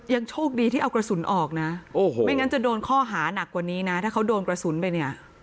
โชคดีที่เอากระสุนออกนะโอ้โหไม่งั้นจะโดนข้อหานักกว่านี้นะถ้าเขาโดนกระสุนไปเนี่ย